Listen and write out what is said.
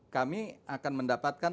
kami akan mendapatkan